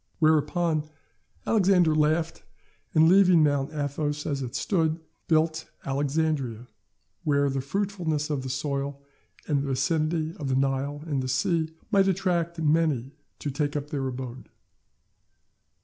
Whereupon, Alexander laughed, and leaving Mount Athos as it stood, built Alexandria; where, the fruitfulness of the soil, and the vicinity of the Nile and the sea, might attract many to take up their abode.